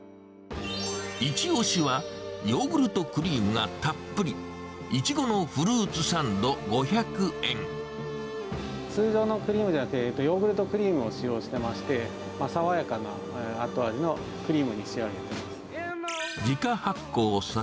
イチ推しは、ヨーグルトクリームがたっぷり、いちごのフルーツサ通常のクリームではなくて、ヨーグルトクリームを使用してまして、爽やかな後味のクリームに仕上げてます。